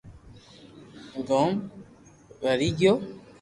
گوم ڀري گيو